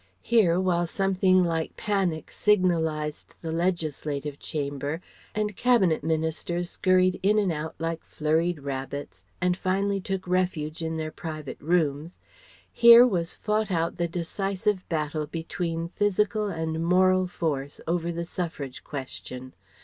Here, while something like panic signalized the Legislative Chamber and Cabinet ministers scurried in and out like flurried rabbits and finally took refuge in their private rooms here was fought out the decisive battle between physical and moral force over the suffrage question.